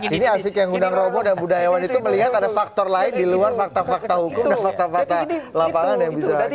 ini asik yang undang robo dan budayawan itu melihat ada faktor lain di luar fakta fakta hukum dan fakta fakta lapangan yang bisa di